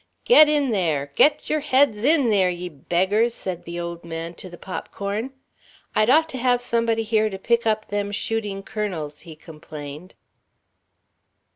"Get in there! Get your heads in there, ye beggars!" said the old man to the popcorn. "I'd ought to have somebody here to pick up them shooting kernels," he complained.